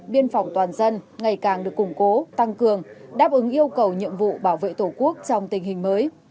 biên phòng toàn dân ngày càng được củng cố tăng cường đáp ứng yêu cầu nhiệm vụ bảo vệ tổ quốc trong tình hình mới